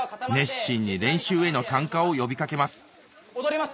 熱心に練習への参加を呼び掛けます踊ります